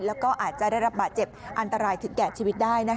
แล้วก็อาจจะได้รับบาดเจ็บอันตรายถึงแก่ชีวิตได้นะคะ